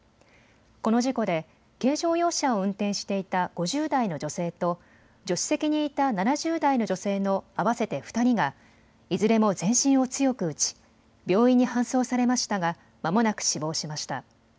この事故で軽乗用車を運転していた５０代の女性と助手席にいた７０代の女性の合わせて２人がいずれも全身を強く打ち病院に搬送されましたがまもなく死亡しました。